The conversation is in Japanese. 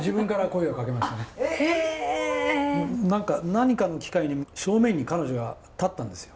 何かの機会に正面に彼女が立ったんですよ。